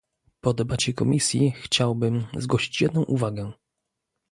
Po debacie w komisji chciałbym zgłosić jedną uwagę